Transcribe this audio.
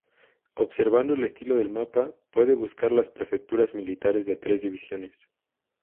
Observando el estilo del mapa, puede buscar las prefecturas militares de tres divisiones.